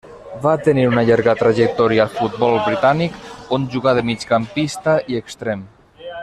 Va tenir una llarga trajectòria al futbol britànic on jugà de migcampista i extrem.